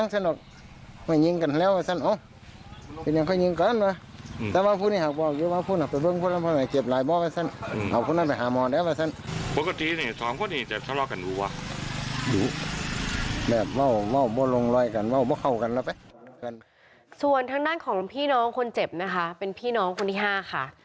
ส่วนทางด้านของพี่น้องคนเจ็บนะคะเป็นพี่น้องคนที่๕ค่ะ